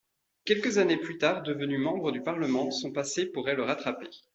Quelques années plus tard, devenu membre du Parlement, son passé pourrait le rattraper…